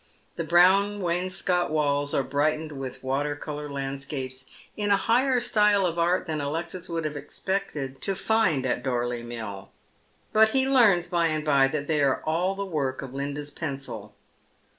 The brown wainscot walls are brightened with water colour landscapes in a higher style of art than Alexis would have expected to find at Dorley Mill ; but he learns by and bye that they are all the work of Linda's pencil.